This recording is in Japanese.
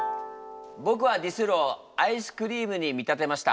僕は「ディスる」をアイスクリームに見立てました。